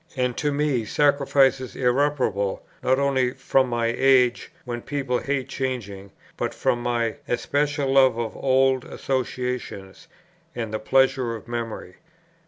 and to me sacrifices irreparable, not only from my age, when people hate changing, but from my especial love of old associations and the pleasures of memory.